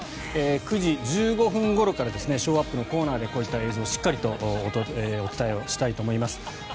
９時１５分ごろからショーアップのコーナーでこういった映像をお伝えしたいと思います。